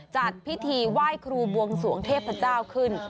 จัดพิธีไหว้ครูบวงสวงเทพเจ้าขึ้น